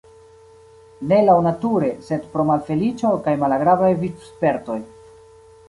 Ne laŭnature, sed pro malfeliĉo kaj malagrablaj vivspertoj.